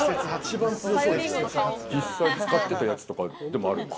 実際に使ってたやつとかでもあるんですか？